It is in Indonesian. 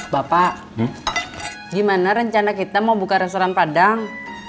bapak gimana rencana kita mau buka restoran padang